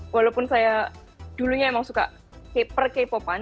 walaupun saya dulunya memang suka per k popan